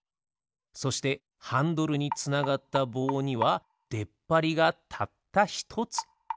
そしてハンドルにつながったぼうにはでっぱりがたったひとつ。